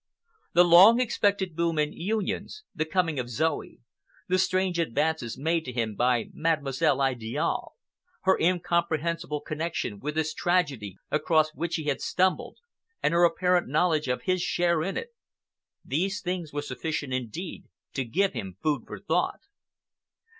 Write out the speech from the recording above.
The long expected boom in "Unions," the coming of Zoe, the strange advances made to him by Mademoiselle Idiale, her incomprehensible connection with this tragedy across which he had stumbled, and her apparent knowledge of his share in it,—these things were sufficient, indeed, to give him food for thought.